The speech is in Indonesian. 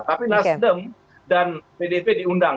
tapi nasdem dan pdp diundang